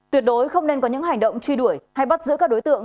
tuyệt đối không nên có những hành động truy đuổi hay bắt giữ các đối tượng